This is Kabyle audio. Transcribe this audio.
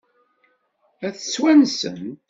Ad tt-wansent?